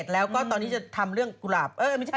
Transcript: แล้วก็ตอนนี้จะทำเรื่องกุหลาบ